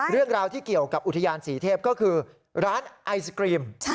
เรื่องราวที่เกี่ยวกับอุทยานศรีเทพก็คือร้านไอศกรีม